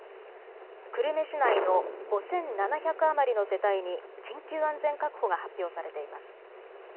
久留米市内の５７００余りの世帯に緊急安全確保が発表されています。